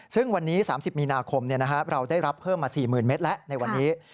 ซึ่งวันนี้๓๐มีนาคมเราได้รับเพิ่มมา๔๐๐๐เมตรแล้วในวันนี้